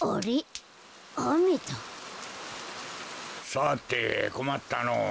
さてこまったのぉ。